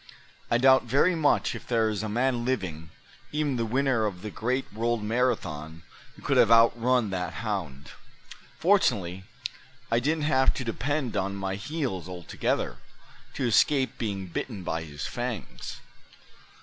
"I doubt very much if there is a man living, even the winner of the great world Marathon, who could have outrun that hound. Fortunately I didn't have to depend on my heels altogether, to escape being bitten by his fangs.